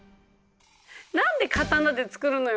何で刀で作るのよ？